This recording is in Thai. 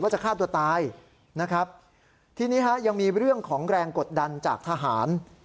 จะฆ่าตัวตายนะครับทีนี้ฮะยังมีเรื่องของแรงกดดันจากทหาร